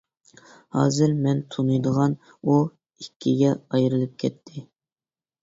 -ھازىر مەن تونۇيدىغان «ئۇ» ئىككىگە ئايرىلىپ كەتتى.